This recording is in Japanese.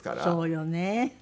そうよね。